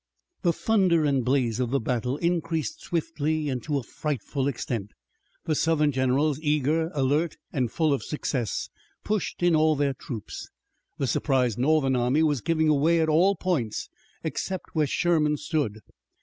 The thunder and blaze of the battle increased swiftly and to a frightful extent. The Southern generals, eager, alert and full of success, pushed in all their troops. The surprised Northern army was giving away at all points, except where Sherman stood.